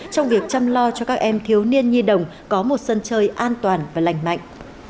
trong việc chăm lo cho các em thiếu niên nhi đồng có một sân chơi an toàn và lành mạnh